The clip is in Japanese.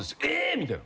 みたいな。